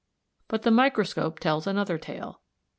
But the microscope tells another tale.